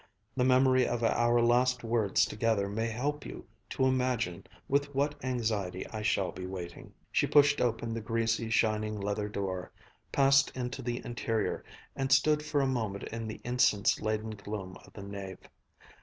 The memory of our last words together may help you to imagine with what anxiety I shall be waiting." She pushed open the greasy, shining leather door, passed into the interior, and stood for a moment in the incense laden gloom of the nave.